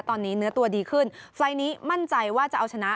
ตอนนี้เนื้อตัวดีขึ้นไฟล์นี้มั่นใจว่าจะเอาชนะ